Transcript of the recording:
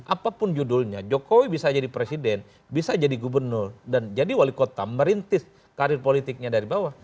apapun judulnya jokowi bisa jadi presiden bisa jadi gubernur dan jadi wali kota merintis karir politiknya dari bawah